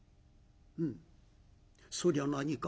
「うんそりゃ何か？